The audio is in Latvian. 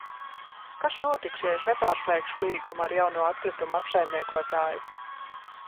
Kas notiks, ja es nepārslēgšu līgumu ar jauno atkritumu apsaimniekotāju?